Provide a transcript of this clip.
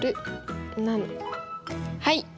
はい！